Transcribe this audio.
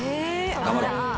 頑張ろう。